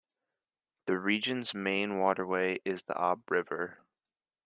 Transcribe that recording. The region's main waterway is the Ob River.